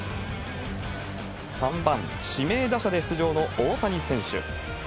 ３番指名打者で出場の大谷選手。